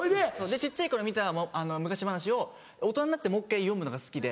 小っちゃい頃見た昔話を大人になってもう１回読むのが好きで。